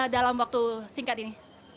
dalam waktu singkat ini